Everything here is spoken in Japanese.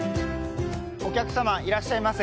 お客様いらっしゃいませ。